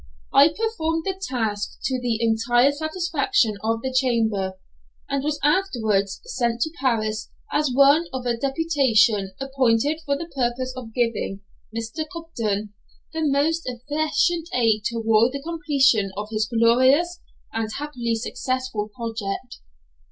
I performed the task to the entire satisfaction of the Chamber, and was afterwards sent to Paris as one of a deputation appointed for the purpose of giving Mr. Cobden the most efficient aid towards the completion of his glorious, and happily successful, project.